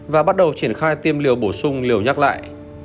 và bắt đầu triển khai tiêm liều bổ sung liều nhắc lại